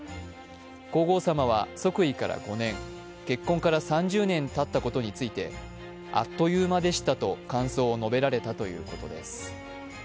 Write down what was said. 皇后さまは即位から５年、結婚から３０年たったことについてあっという間でしたと感想を述べられたということです。